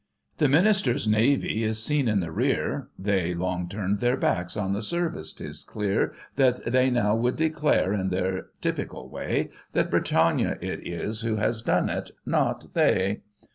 The minister's navy is seen in the rear — They long turned their backs on the service — 'tis clear That they now would declare, in their typical way. That Britannia it is who has done it, not they.